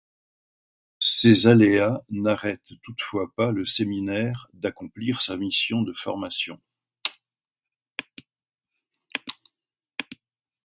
Ces aléas n'arrêtent toutefois pas le séminaire d'accomplir sa mission de formation.